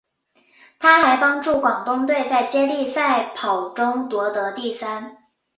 她还帮助广东队在接力赛跑中夺得第三。